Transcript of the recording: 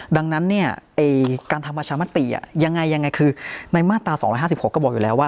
ดังนั้นเนี่ยการทำประชามติยังไงยังไงคือในมาตรา๒๕๖ก็บอกอยู่แล้วว่า